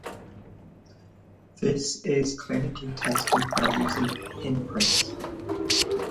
This is clinically tested by using pin pricks.